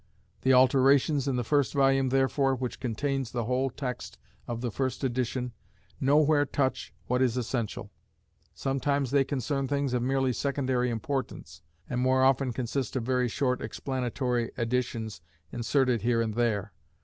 The alterations in the first volume therefore, which contains the whole text of the first edition, nowhere touch what is essential. Sometimes they concern things of merely secondary importance, and more often consist of very short explanatory additions inserted here and there.